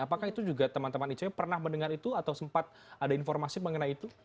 apakah itu juga teman teman icw pernah mendengar itu atau sempat ada informasi mengenai itu